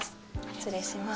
失礼します。